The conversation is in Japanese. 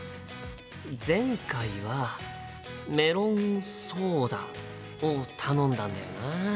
前回はメロンソーダを頼んだんだよな。